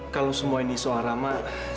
kalau semua ini suara rama